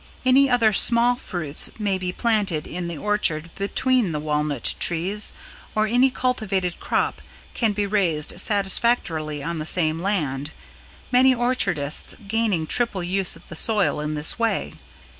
Any other small fruits may be planted in the orchard between the walnut trees or any cultivated crop can be raised satisfactorily on the same land, many orchardists gaining triple use of the soil in this way.